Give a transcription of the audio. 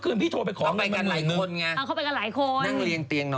คุณแม่อย่างไง